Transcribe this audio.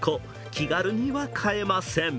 気軽には買えません。